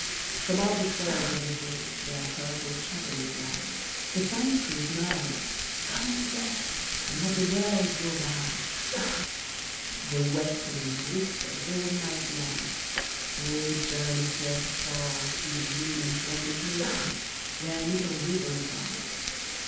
From out the quiet of the hills, Where purple shadows lie, The pine trees murmur, "Come and rest And let the world go by." The west wind whispers all night long "Oh, journey forth afar To the green and pleasant places Where little rivers are!"